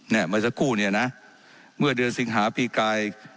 เนี่ยมาสักครู่นี้น่ะเมื่อเดือนสิงหาภีร์กาย